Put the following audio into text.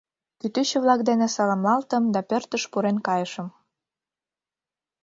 Кӱтӱчӧ-влак дене саламлалтым да пӧртыш пурен кайышым.